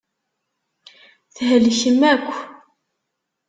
Thelkem akk.